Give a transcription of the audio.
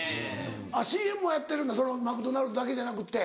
あっＣＭはやってるんだマクドナルドだけじゃなくって。